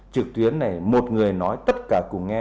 trực tuyến này một người nói tất cả cùng nghe